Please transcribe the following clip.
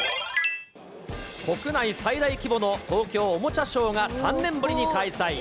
国内最大規模の東京おもちゃショーが３年ぶりに開催。